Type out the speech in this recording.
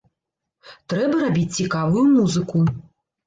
Трэба рабіць цікавую музыку.